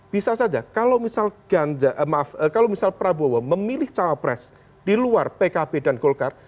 bisa saja kalau misal prabowo memilih cawapres di luar pkb dan golkar